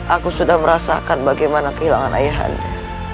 aku sudah merasakan bagaimana kehilangan ayah anda